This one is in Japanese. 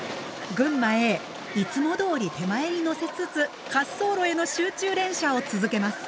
群馬Ａいつもどおり手前にのせつつ滑走路への集中連射を続けます。